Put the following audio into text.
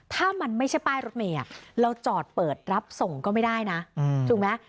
ถ้ามันไม่ใช่ป้ายรถเมย์เราจอดเปิดรับส่งก็ไม่ได้นะถูกไหม